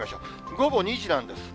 午後２時なんです。